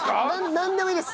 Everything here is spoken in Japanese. なんでもいいです。